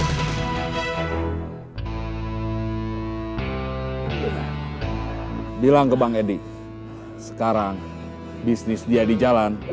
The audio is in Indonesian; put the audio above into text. semarang semarang semarang